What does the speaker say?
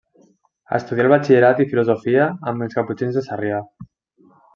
Estudià el batxillerat i filosofia amb els caputxins de Sarrià.